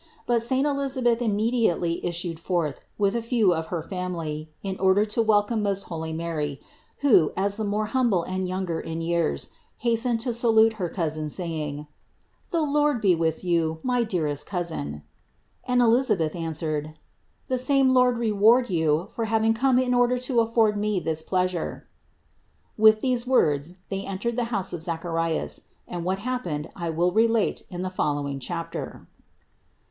But saint Elisa beth immediately issued forth with a few of her family, in order to welcome most holy Mary, who, as the more humble and younger in years, hastened to salute her cousin, saying: "The Lord be with you, my dearest cousin," and Elisabeth answered : "The same Lord re ward you for having come in order to afford me this pleasure." With these words they entered the house of Zacharias and what happened I will relate in the follow ing chapter.